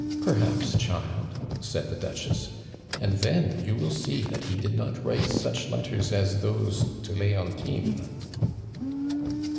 "Perhaps, child," said the Duchess. "And then you will see that he did not write such letters as those to Leontine."